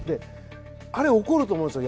あれ起こると思うんですよ